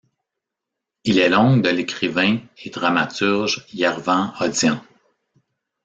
Il est l'oncle de l'écrivain et dramaturge Yervant Odian.